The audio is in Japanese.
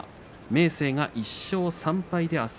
明生が１勝３敗です。